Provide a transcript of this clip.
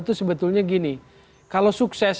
itu sebetulnya gini kalau sukses